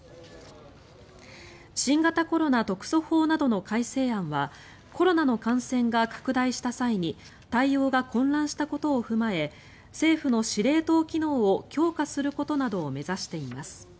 新型コロナ特措法などの改正案はコロナの感染が拡大した際に対応が混乱したことを踏まえ政府の司令塔機能を強化することなどを目指しています。